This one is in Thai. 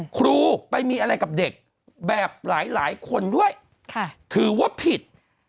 ครูไปมีอะไรกับเด็กแบบหลายคนด้วยถือว่าผิด